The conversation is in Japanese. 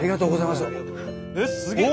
すげえ！